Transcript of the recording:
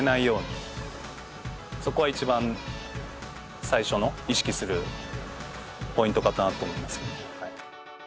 そこは一番最初の意識するポイントかなと思います。